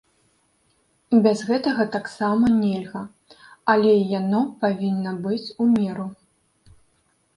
Без гэтага таксама нельга, але і яно павінна быць у меру.